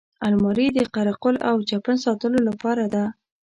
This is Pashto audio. الماري د قره قل او چپن ساتلو لپاره ده